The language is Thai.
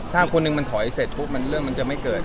ถ้าคนหนึ่งมันถอยเสร็จปุ๊บเรื่องมันจะไม่เกิด